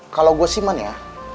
kalau gue sih man ya